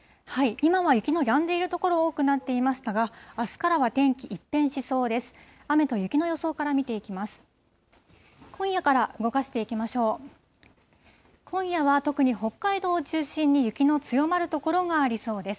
今は雪もやんでいる所、多くなっていましたが、あすからは天気、一変しそうです。